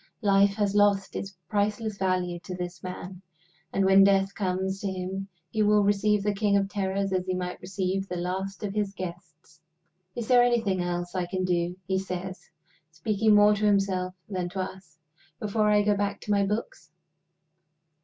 Life has lost its priceless value to this man; and when Death comes to him he will receive the king of terrors as he might receive the last of his guests. "Is there anything else I can do," he says, speaking more to himself than to us, "before I go back to my books?"